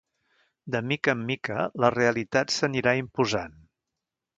De mica en mica, la realitat s’anirà imposant.